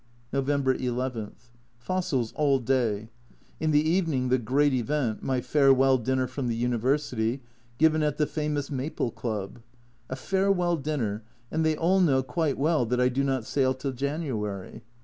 November n. Fossils all day. In the evening the great event my farewell dinner from the University, given at the famous Maple Club. A farewell dinner, and they all know quite well that I do not sail till January